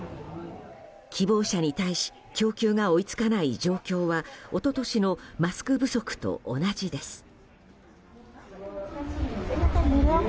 希望者に対し供給が追い付かない状況は一昨年のマスク不足と同じです。